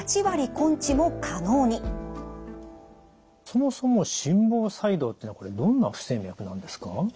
そもそも心房細動っていうのはこれどんな不整脈なんですか？